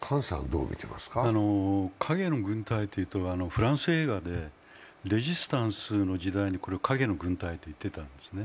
影の軍隊というとフランス映画でレジスタンスの時代を影の軍隊と言っていたんですね。